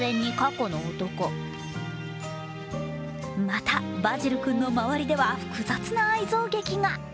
またバジル君の周りでは複雑な愛憎劇が。